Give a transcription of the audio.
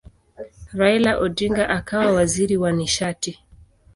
Raila Odinga akawa waziri wa nishati.